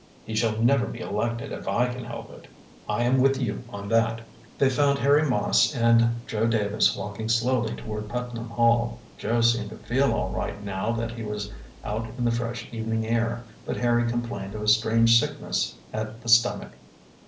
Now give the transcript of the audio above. "He shall never be elected, if I can help it." "I am with you on that." They found Harry Moss and Joe Davis walking slowly toward Putnam Hall. Joe seemed to feel all right now that he was out in the fresh evening air, but Harry complained of a strange sickness at the stomach.